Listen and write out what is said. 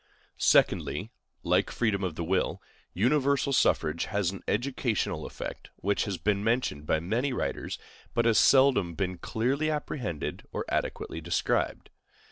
Secondly, like freedom of the will, universal suffrage has an educational effect, which has been mentioned by many writers, but has seldom been clearly apprehended or adequately described.